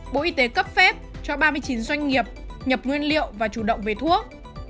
bộ y tế cấp phép cho ba mươi chín doanh nghiệp nhập nguyên liệu và chủ động về thuốc